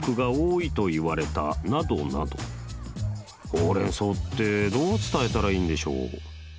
ホウ・レン・ソウってどう伝えたらいいんでしょう？